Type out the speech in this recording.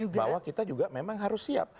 bahwa kita juga memang harus siap